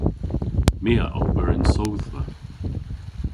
My a ober yn sodhva.